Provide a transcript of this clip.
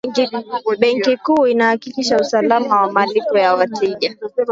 benki kuu inahakikisha usalama wa malipo ya wateja